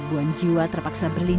lima saat terpenix